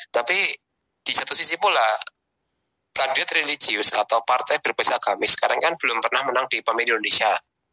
tapi di satu sisi pula tanjut religius atau partai berbasis agamis sekarang kan belum pernah menang di pemilu indonesia